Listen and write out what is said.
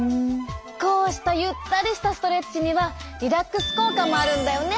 こうしたゆったりしたストレッチにはリラックス効果もあるんだよね。